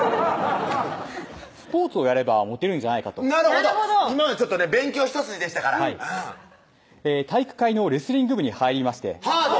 スポーツをやればモテるんじゃないかとなるほど今まではちょっとね勉強一筋でしたから体育会のレスリング部に入りましてハード！